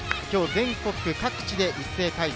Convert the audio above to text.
今日、全国各地で一斉開催。